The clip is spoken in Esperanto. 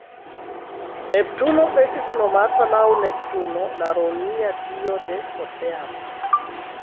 Neptuno estis nomata laŭ Neptuno, la romia dio de oceano.